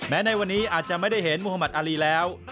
ในวันนี้อาจจะไม่ได้เห็นมุธมัติอารีแล้ว